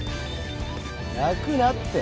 泣くなって。